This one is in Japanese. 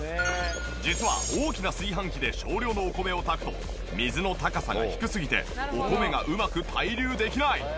実は大きな炊飯器で少量のお米を炊くと水の高さが低すぎてお米がうまく対流できない。